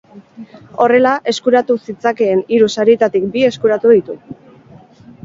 Horrela, eskuratu zitzakeen hiru sarietatik bi eskuratu ditu.